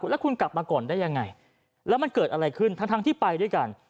แล้วคุณกลับมาก่อนได้ยังไงแล้วมันเกิดอะไรขึ้นทั้งที่ไปด้วยกัน